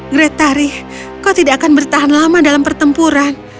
gretari kau tidak akan bertahan lama dalam pertempuran